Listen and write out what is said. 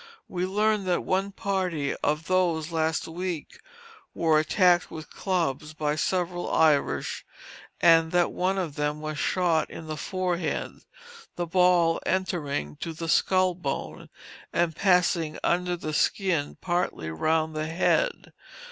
We learn that one party of those last week were attacked with clubs by several Irish and that one of them was shot in the forehead, the ball entering to the skull bone, and passing under the skin partly round the head.